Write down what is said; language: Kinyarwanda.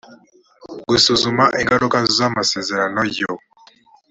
d gusuzuma ingaruka z amasezerano yo